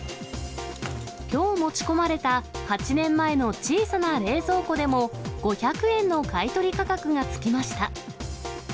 きょう持ち込まれた８年前の小さな冷蔵庫でも、５００円の買い取り価格がつきました。